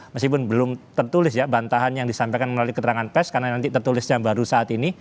meskipun belum tertulis ya bantahan yang disampaikan melalui keterangan pers karena nanti tertulisnya baru saat ini